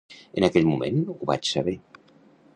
En aquell moment, ho vaig saber.